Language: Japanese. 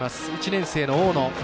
１年生の大野。